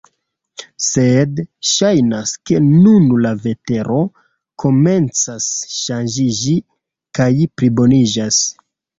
Sed ŝajnas ke nun la vetero komencas ŝanĝiĝi kaj pliboniĝas.